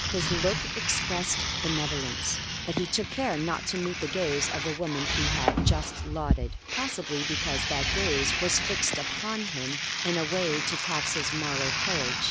His look expressed benevolence, but he took care not to meet the gaze of the woman he had just lauded, possibly because that gaze was fixed upon him in a way to tax his moral courage.